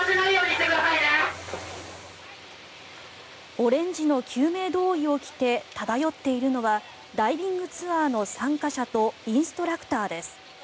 オレンジの救命胴衣を着て漂っているのはダイビングツアーの参加者とインストラクターです。